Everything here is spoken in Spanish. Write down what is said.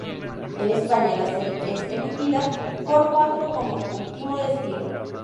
En España, la serie es emitida por Cuatro como "Último destino".